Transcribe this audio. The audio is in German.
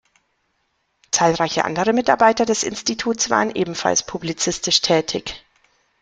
Zahlreiche andere Mitarbeiter des Instituts waren ebenfalls publizistisch tätig.